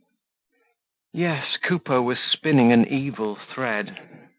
Yes, Coupeau was spinning an evil thread.